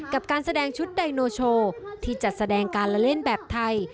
การแสดงชุดไดโนโชว์ที่จัดแสดงการละเล่นแบบไทย